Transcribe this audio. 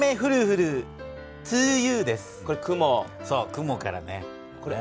雲からね。